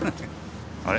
あれ？